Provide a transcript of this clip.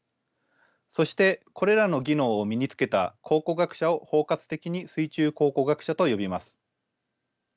そしてこれらの技能を身につけた考古学者を包括的に水中考古学者と呼びます。